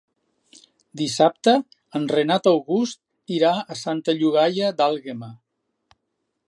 Dissabte en Renat August irà a Santa Llogaia d'Àlguema.